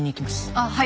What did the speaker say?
あっはい。